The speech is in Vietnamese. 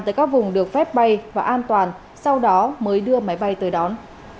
tới các vùng được phép bay và an toàn sau đó mới đưa máy bay tới đón